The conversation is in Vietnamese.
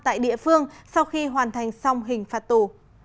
tại địa phương sau khi hoàn thành xong hình phạt tù